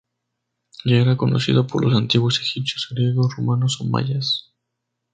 Ya era conocido por los antiguos egipcios, griegos, romanos o mayas.